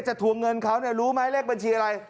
จะทวงเงินเขารู้ไหมเรียกบัญชีอะไร